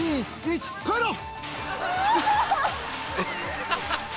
「ハハハッ！」